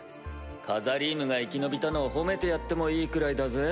カザリームが生き延びたのを褒めてやってもいいくらいだぜ？